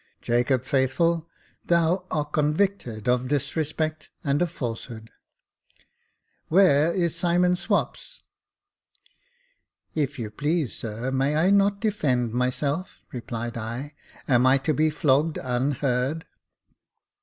Jacob Faithful, thou art convicted of disrespect and of falsehood. Where is Simon Swapps ?" "If you please, sir, may I not defend myself.?" replied I. " Am I to be flogged unheard